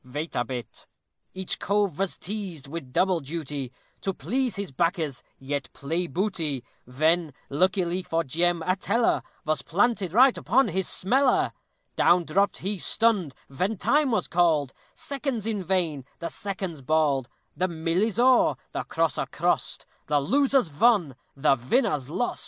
vait a bit. Ri, tol, lol, &c. Each cove vas teazed with double duty, To please his backers, yet play booty; Ven, luckily for Jem, a teller Vos planted right upon his smeller; Down dropped he, stunned; ven time vas called, Seconds in vain the seconds bawled; The mill is o'er, the crosser crost, The loser's von, the vinner's lost!